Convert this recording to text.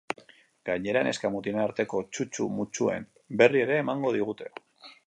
Gainera, neska-mutilen arteko txutxu-mutxuen berri ere emango digute.